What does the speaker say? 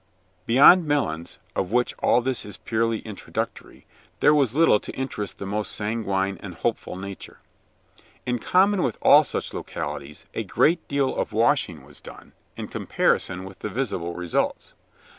Beyond Melons, of whom all this is purely introductory, there was little to interest the most sanguine and hopeful nature. In common with all such localities, a great deal of washing was done, in comparison with the visible results.